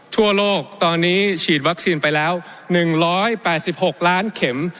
ทั่วโลกตอนนี้ฉีดวัคซีนไปแล้ว๑๘๖ล้านเข็ม